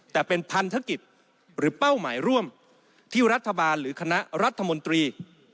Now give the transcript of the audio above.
แต่เป็นพันธกิจหรือเป้าหมายร่วมที่รัฐบาลหรือคณะรัฐมนตรี